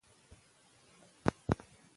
د پښتو د بقا لپاره هڅې مه سپموئ.